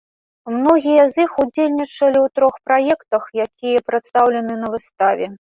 Многія з іх удзельнічалі ў трох праектах, якія прадстаўлены на выставе.